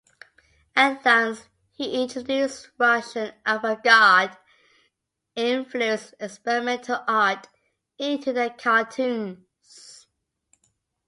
At Lantz, he introduced Russian avant-garde influenced experimental art into the cartoons.